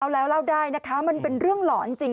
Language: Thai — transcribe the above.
แล้วเล่าได้นะคะมันเป็นเรื่องหลอนจริง